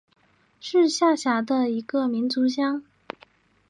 是下辖的一个民族乡。